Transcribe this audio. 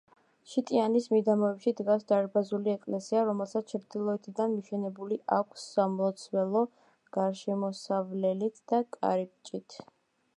ჩიტიანის მიდამოებში დგას დარბაზული ეკლესია, რომელსაც ჩრდილოეთიდან მიშენებული აქვს სამლოცველო გარშემოსავლელით და კარიბჭით.